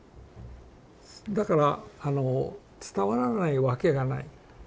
だから伝わらないわけがない。